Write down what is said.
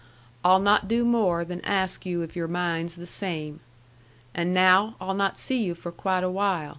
I'll not do more than ask you if your mind's the same. And now I'll not see you for quite a while.